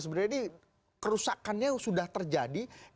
sebenarnya ini kerusakannya sudah terjadi